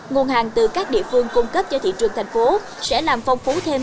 nguồn hàng từ các địa phương cung cấp cho thị trường tp hcm sẽ làm phong phú thêm